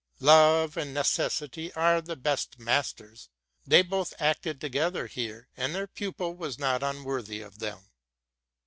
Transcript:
Love and necessity are the best masters: they both acted together here, and their pupil was not unwor thy of them.